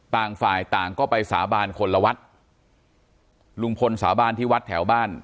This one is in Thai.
ต่างฝ่ายต่างก็ไปสาบานคนละวัดลุงพลสาบานที่วัดแถวบ้าน